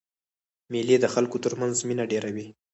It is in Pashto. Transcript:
مېلې د خلکو تر منځ مینه ډېروي.